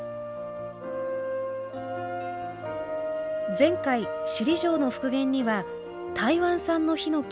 前回首里城の復元には台湾産のヒノキ